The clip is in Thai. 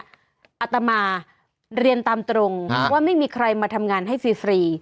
อาตมาเรียนตามตรงว่าไม่มีใครมาทำงานให้ฟรี